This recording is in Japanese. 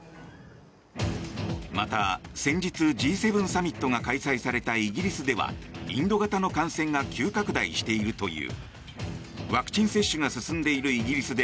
また、先日、Ｇ７サミットが開催されたイギリスではインド型の感染が急拡大しているという。